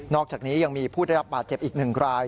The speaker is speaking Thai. อกจากนี้ยังมีผู้ได้รับบาดเจ็บอีก๑ราย